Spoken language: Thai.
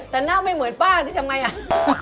แต่หน้าไม่เหมือนป้าสิทำไงอ่ะ